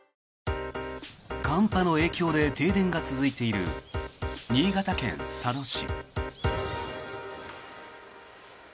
寒波の影響で停電が続いている新潟県佐渡市。